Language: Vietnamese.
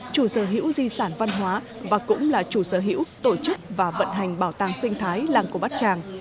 chủ sở hữu di sản văn hóa và cũng là chủ sở hữu tổ chức và vận hành bảo tàng sinh thái làng cổ bát tràng